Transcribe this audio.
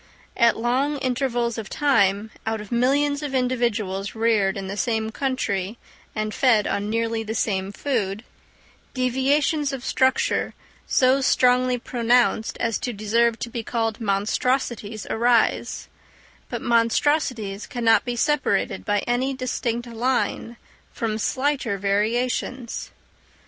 At long intervals of time, out of millions of individuals reared in the same country and fed on nearly the same food, deviations of structure so strongly pronounced as to deserve to be called monstrosities arise; but monstrosities cannot be separated by any distinct line from slighter variations.